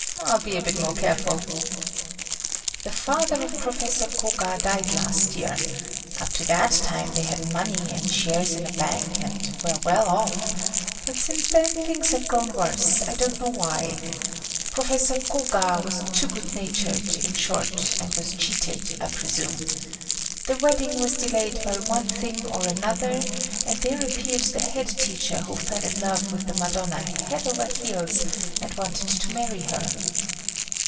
I'll be a bit more careful." "The father of Professor Koga died last year,—up to that time they had money and shares in a bank and were well off,—but since then things have grown worse, I don't know why. Professor Koga was too good natured, in short, and was cheated, I presume. The wedding was delayed by one thing or another and there appeared the head teacher who fell in love with the Madonna head over heels and wanted to marry her."